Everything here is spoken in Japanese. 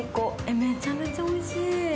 めちゃめちゃおいしい。